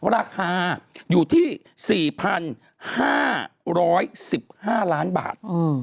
ราคาอยู่ที่๔๕๑๕ล้านบาท